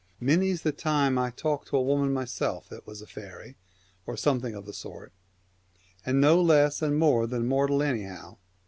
Many's the time I talked to a woman myself that was a faery, or something of the sort, and no less and more than mortal anyhow.